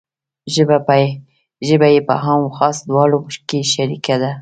ژبه یې په عام و خاص دواړو کې شریکه ده.